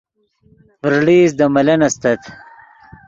ڤرڑئیست دے ملن استت